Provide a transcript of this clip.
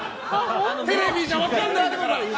テレビじゃ分かんないんだから。